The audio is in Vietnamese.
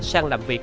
sang làm việc